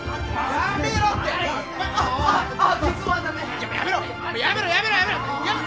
やめろやめろ！